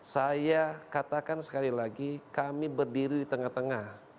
saya katakan sekali lagi kami berdiri di tengah tengah